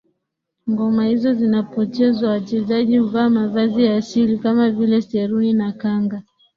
Ngoma hizo zinapochezwa wachezaji huvaa mavazi ya asili kama vile seruni na kanga